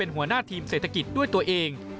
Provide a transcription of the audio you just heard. หัวหน้าทีมเศรษฐกิจด้วยตัวเอง